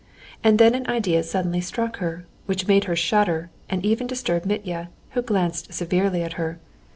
And then an idea suddenly struck her, which made her shudder and even disturb Mitya, who glanced severely at her.